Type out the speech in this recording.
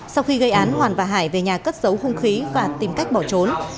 sau khi gây án hoàn và hải về nhà cất giấu hung khí và tìm cách bỏ trốn